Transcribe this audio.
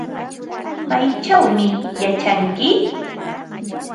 ¿Maychawmi yachanki?